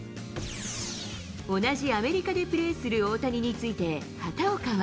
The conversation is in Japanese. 同じアメリカでプレーする大谷について、畑岡は。